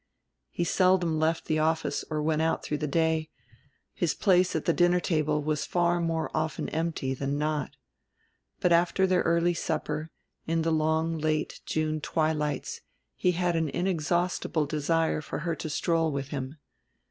He seldom left the office or went out through the day; his place at the dinner table was far more often empty than not. But after their early supper, in the long late June twilights, he had an inexhaustible desire for her to stroll with him.